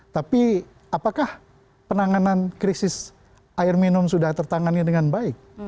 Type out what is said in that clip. tapi apakah penanganan krisis air minum sudah tertangani dengan baik